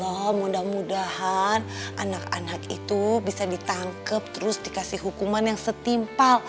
ya allah mudah mudahan anak anak itu bisa ditangkep terus dikasih hukuman yang setuju